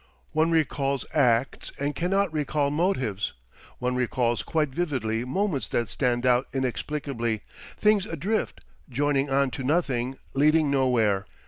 One recalls acts and cannot recall motives; one recalls quite vividly moments that stand out inexplicably—things adrift, joining on to nothing, leading nowhere.